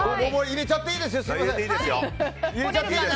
入れちゃっていいですよ。